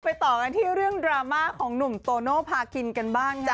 ต่อกันที่เรื่องดราม่าของหนุ่มโตโนภาคินกันบ้างจ้ะ